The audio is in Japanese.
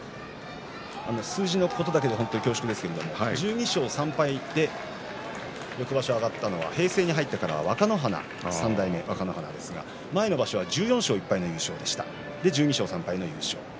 数字のことで恐縮ですが１２勝３敗で翌場所上がったのは平成に入ってからは若乃花３代目若乃花ですが前の場所は１４勝１敗そして１２勝３敗の優勝